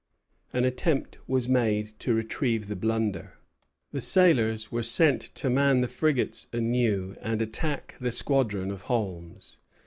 An attempt was made to retrieve the blunder. The sailors were sent to man the frigates anew and attack the squadron of Holmes.